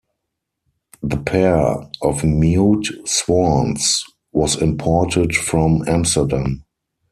The pair of mute swans was imported from Amsterdam.